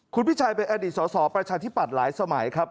คุณพิชัยเป็นอดีตสอสอประชาธิปัตย์หลายสมัยครับ